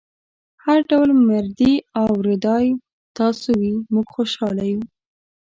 هر ډول مرضي او رضای تاسو وي موږ خوشحاله یو.